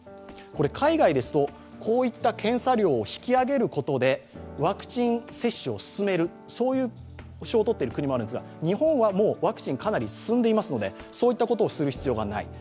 海外ですと、こういった検査料を引き上げることでワクチン接種を進める、そういうのをとっている国もありますが日本では、ワクチン進んでいますのでそういったことをする必要がない。